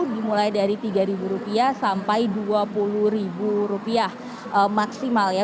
dimulai dari rp tiga sampai rp dua puluh maksimal ya